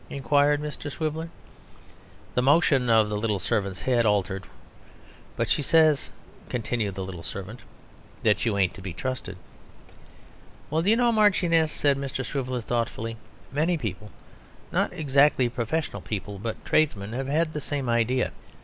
inquired Mr. Swiveller. The motion of the little servant's head altered.... 'But she says,' continued the little servant, 'that you ain't to be trusted.' 'Well, do you know, Marchioness,' said Mr. Swiveller thoughtfully, 'many people, not exactly professional people, but tradesmen, have had the same idea.